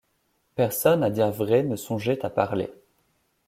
Personne, à dire vrai, ne songeait à parler.